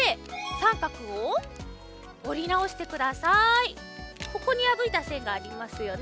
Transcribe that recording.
こんどねこのここにやぶいたせんがありますよね。